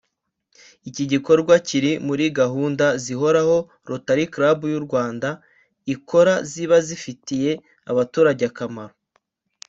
Iki gikorwa kiri muri gahunda zihoraho Rotary Club y’u Rwanda ikora ziba zifitiye abaturage akamaro